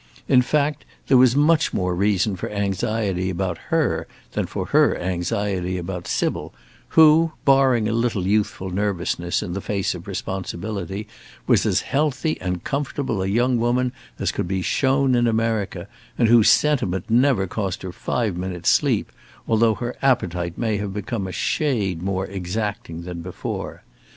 In fact, there was much more reason for anxiety about her than for her anxiety about Sybil, who, barring a little youthful nervousness in the face of responsibility, was as healthy and comfortable a young woman as could be shown in America, and whose sentiment never cost her five minutes' sleep, although her appetite may have become a shade more exacting than before.